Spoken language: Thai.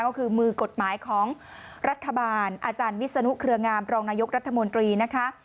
ก็คือมือกฎหมายของรัฐบาลอาจารย์วิศนุเครืองามรองนายกรัฐมนตรีนะคะ